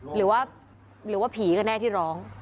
หรือว่าผีก็แน่ที่ร้อง